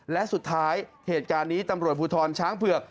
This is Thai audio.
และสุดท้ายเหตุการณ์นี้ตำรวจภูทรช้างเผือก